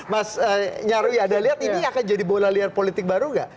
mas nyarwi ada lihat ini akan jadi bola liar politik baru nggak